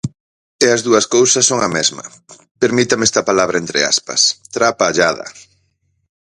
E as dúas cousas son a mesma –permítame esta palabra, entre aspas– trapallada.